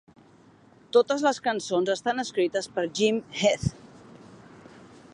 Totes les cançons estan escrites per Jim Heath.